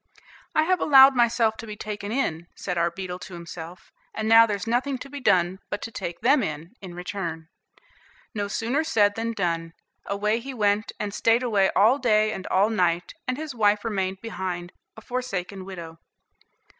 "I have allowed myself to be taken in," said our beetle to himself, "and now there's nothing to be done but to take them in, in return." No sooner said than done. Away he went, and stayed away all day and all night, and his wife remained behind a forsaken widow.